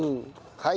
はい。